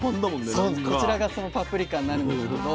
こちらがそのパプリカになるんですけど。